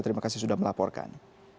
terima kasih sudah melaporkan